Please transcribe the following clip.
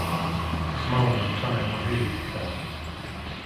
Maunon Sanelma hihittää.